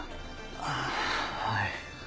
ああはい。